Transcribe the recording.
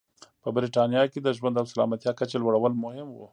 په برېټانیا کې د ژوند او سلامتیا کچې لوړول مهم و.